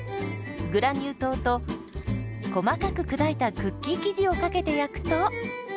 グラニュー糖と細かく砕いたクッキー生地をかけて焼くと。